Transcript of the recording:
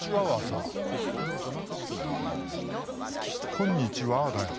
「こんにちは」だよ。